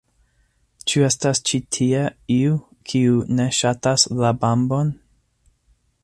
Ĉu estas ĉi tie iu, kiu ne ŝatas la Bambon?